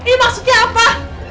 ini maksudnya apa